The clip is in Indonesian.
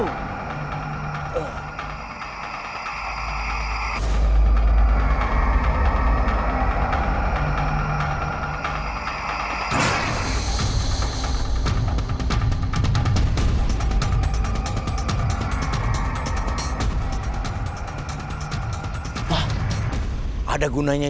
wah ada gunanya